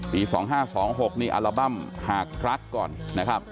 ปี๒๕๒๖นี่อัลบั้มหากรักก่อนนะครับ